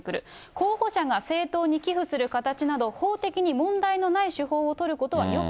候補者が政党に寄付する形など、法的に問題のない手法を取ること